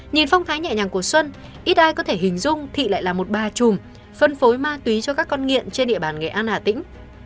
nhìn phong thái nhẹ nhàng của xuân ít ai có thể hình dung thị lại là một ba chùm phân phối ma túy cho các con nghiện trên địa bàn nghệ an hà tĩnh